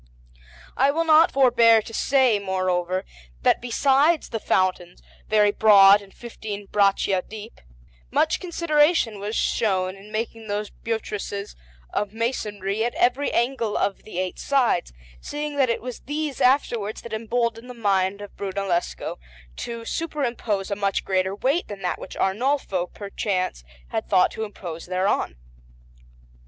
I will not forbear to say, moreover, that besides the foundations, very broad and fifteen braccia deep, much consideration was shown in making those buttresses of masonry at every angle of the eight sides, seeing that it was these afterwards that emboldened the mind of Brunellesco to superimpose a much greater weight than that which Arnolfo, perchance, had thought to impose thereon.